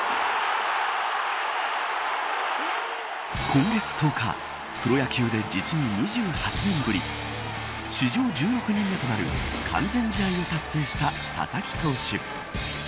今月１０日プロ野球で実に２８年ぶり史上１６人目となる完全試合を達成した佐々木投手。